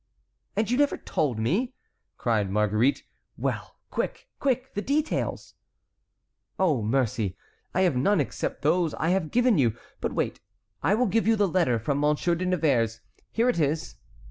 "And you never told me!" cried Marguerite. "Well, quick, quick, the details." "Oh, mercy, I have none except those I have given you. But wait, I will give you the letter from Monsieur de Nevers. Here it is.